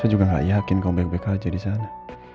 saya juga nggak yakin kompak baik baik aja di sana